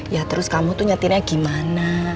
ya terus kamu tuh nyetirnya gimana